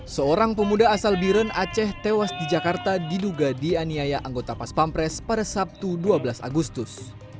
seorang pemuda asal biren aceh tewas di jakarta diduga dianiaya anggota pas pampres pada sabtu dua belas agustus